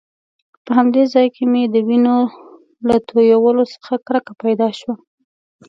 په همدې ځای کې مې د وینو له تويولو څخه کرکه پیدا شوه.